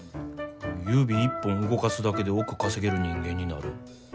指一本動かすだけで億稼げる人間になる。